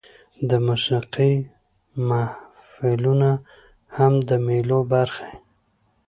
د موسیقۍ محفلونه هم د مېلو برخه يي.